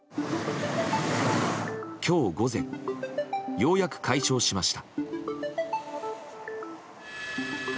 今日午前、ようやく解消しました。